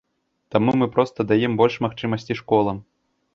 Таму мы проста даем больш магчымасці школам.